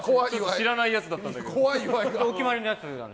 知らないやつだったんだけど。